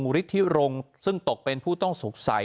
ฤทธิรงค์ซึ่งตกเป็นผู้ต้องสงสัย